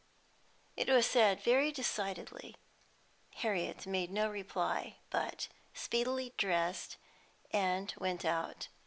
It was said very decidedly. Harriet made no reply, but speedily dressed and went out.